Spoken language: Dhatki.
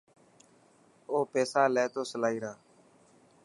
او پيسا لي تو سلائي را.